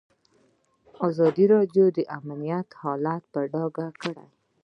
ازادي راډیو د امنیت حالت په ډاګه کړی.